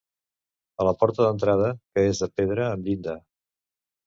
A la porta d'entrada, que és de pedra amb llinda.